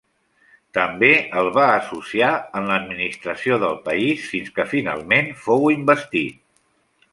També el va associar en l'administració del país, fins que finalment fou investit.